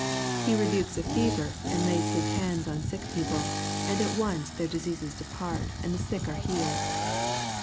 He rebukes a fever, and lays his hands on sick people, and at once their diseases depart, and the sick are healed.